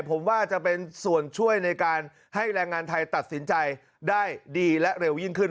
ผมว่าจะเป็นส่วนช่วยในการให้แรงงานไทยตัดสินใจได้ดีและเร็วยิ่งขึ้น